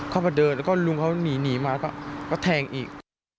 เขาบ้าเดินก็ลุงเขาหนีมาแล้วก็แทงอีก